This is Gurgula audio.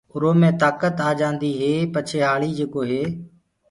اُرو مي تآڪت آجآندي هي پڇي هآݪي جيڪو هي